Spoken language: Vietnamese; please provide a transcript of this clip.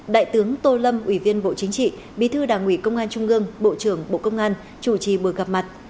đại tướng tô lâm ủy viên bộ chính trị bí thư đảng ủy công an trung ương bộ trưởng bộ công an chủ trì buổi gặp mặt